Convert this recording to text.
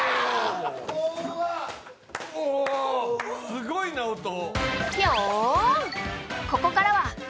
すごいな、音。